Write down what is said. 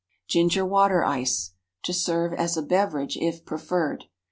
Ginger Water Ice (to serve as a beverage if preferred).